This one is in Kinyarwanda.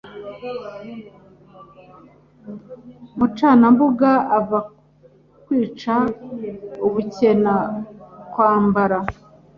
Mucanambuga ava kwica u Bukenakwambara